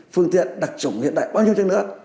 phương tiện đặc trủng hiện đại bao nhiêu chứ nữa